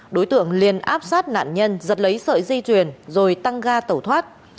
đối tượng liên áp sát nạn nhân giật lấy sợi di truyền rồi tăng ga tẩu thoát